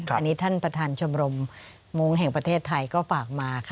อันนี้ท่านประธานชมรมมุ้งแห่งประเทศไทยก็ฝากมาค่ะ